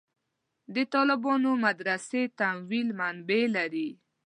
د طالبانو مدرسې تمویل منبعې دي.